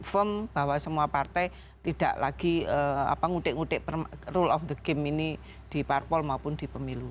yang ketemu bahwa semua partai tidak lagi ngutip ngutip rule of the game ini di parpol maupun di pemilu